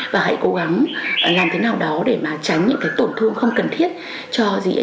và hãy cố gắng làm thế nào đó để mà tránh những cái tổn thương không cần thiết cho gì ạ